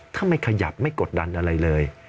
ถ้าไม่ขยับไม่กดดันอะไรเลย